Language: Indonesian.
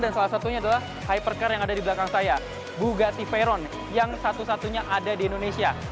dan salah satunya adalah hypercar yang ada di belakang saya bugatti veyron yang satu satunya ada di indonesia